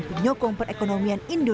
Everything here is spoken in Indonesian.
bagaimana menurut anda